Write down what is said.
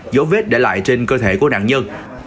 dấu vết để lại trên cơ thể của nạn nhân